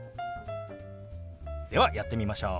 ではやってみましょう！